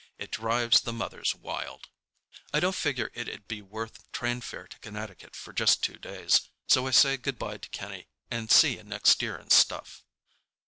It drives the mothers wild. I don't figure it'd be worth train fare to Connecticut for just two days, so I say good bye to Kenny and see you next year and stuff.